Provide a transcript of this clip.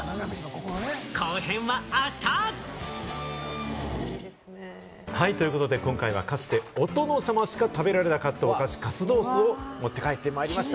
後編はあした！ということで今回はかつて、お殿様しか食べられなかったお菓子・カスドースを持って帰ってまいりました。